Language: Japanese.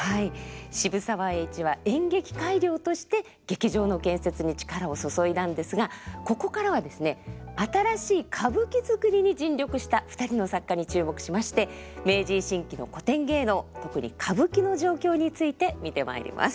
渋沢栄一は演劇改良として劇場の建設に力を注いだんですがここからはですね新しい歌舞伎作りに尽力した２人の作家に注目しまして明治維新期の古典芸能特に歌舞伎の状況について見てまいります。